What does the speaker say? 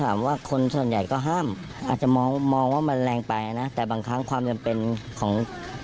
คนส่วนใหญ่ก็ห้ามอาจจะมองมองว่ามันแรงไปนะแต่บางครั้งความจำเป็นของ